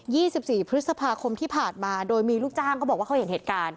ี่สิบสี่พฤษภาคมที่ผ่านมาโดยมีลูกจ้างเขาบอกว่าเขาเห็นเหตุการณ์